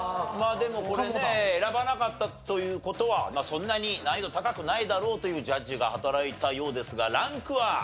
まあでもこれね選ばなかったという事はそんなに難易度高くないだろうというジャッジが働いたようですがランクは？